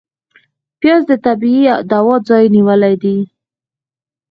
پیاز د طبعي دوا ځای نیولی دی